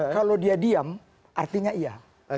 kalau dia diam artinya iya